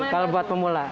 kalau buat pemula